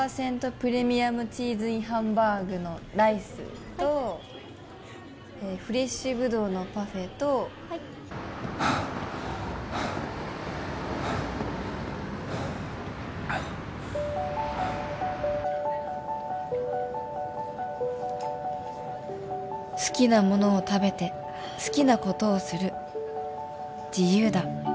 プレミアムチーズＩＮハンバーグのライスとフレッシュぶどうのパフェと好きなものを食べて好きなことをする自由だ